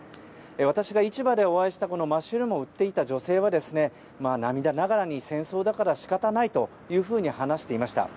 私が市場でお会いしたマッシュルームを売っていた女性は、涙ながらに戦争だから仕方ないというふうに話していました。